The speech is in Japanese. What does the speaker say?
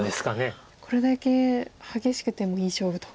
これだけ激しくてもいい勝負と。